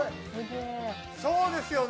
そうですよね。